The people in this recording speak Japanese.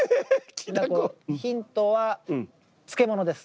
ヒントは漬物です。